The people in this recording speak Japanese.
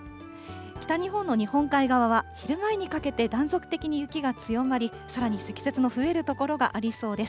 北日本の日本海側は昼前にかけて断続的に雪が強まり、さらに積雪の増える所がありそうです。